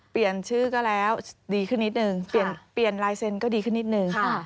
เปลี่ยนชื่อก็แล้วดีขึ้นนิดนึงเปลี่ยนลายเซ็นต์ก็ดีขึ้นนิดนึง